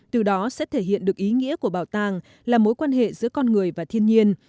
từ đó sẽ thể hiện được ý nghĩa của bảo tàng là mối quan hệ giữa con người và thiên nhiên